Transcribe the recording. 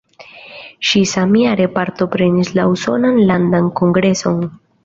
Ŝi samjare partoprenis la usonan landan kongreson.